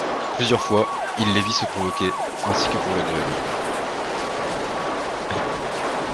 Plusieurs fois, il les vit se provoquer ainsi que pour le duel.